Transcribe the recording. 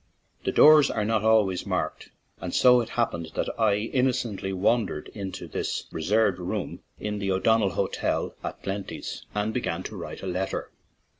The doors are not always marked, and so it happened that I inno cently wandered into this "reserved" room in the O'Donnell Hotel at Glenties and began to write a letter.